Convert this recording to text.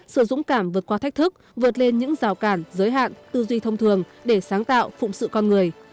sự dũng cảm vượt qua thách thức vượt lên những rào cản giới hạn tư duy thông thường để sáng tạo phụng sự con người